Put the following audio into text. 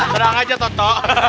terang aja toto